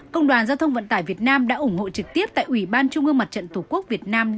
công đoàn giao thông vận tải việt nam đã ủng hộ trực tiếp tại ubnd tổ quốc việt nam